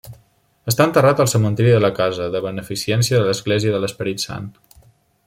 Està enterrat al cementiri de la casa de beneficència de l'Església de l'Esperit Sant.